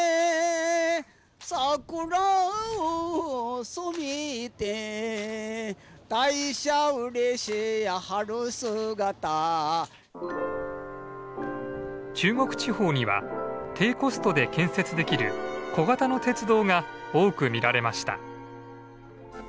「桜を染めて」「大社うれしや春姿」中国地方には低コストで建設できる小型の鉄道が多く見られました。